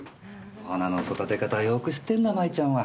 お花の育て方よーく知ってんだ麻衣ちゃんは。